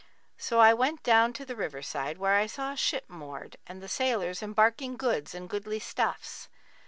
So I went down to the river side, where I saw a ship moored and the sailors embarking goods and goodly stuffs.